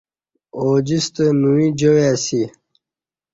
اوجستہ نوئی جائ اسی